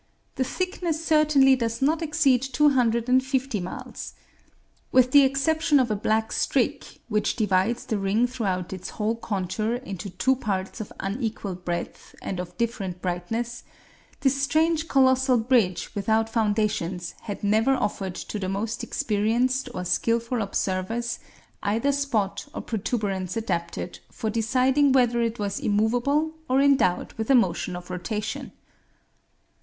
The thickness certainly does not exceed two hundred and fifty miles. With the exception of a black streak which divides the ring throughout its whole contour into two parts of unequal breadth and of different brightness, this strange colossal bridge without foundations had never offered to the most experienced or skillful observers either spot or protuberance adapted for deciding whether it was immovable or endowed with a motion of rotation.